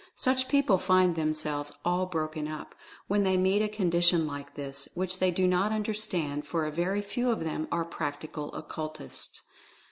Such people find themselves "all broken up" when they meet a condition like this, which they do not understand for very few of them are practical occultists.